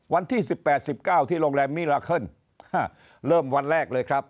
วันที่๑๘๑๙ที่โรงแรมมิลาเคิลเริ่มวันแรกเลยครับ